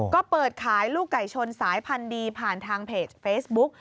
ก็เปิดขายลูกไก่ชนสายพันธุ์ดีผ่านทางเพจเฟซบุ๊ก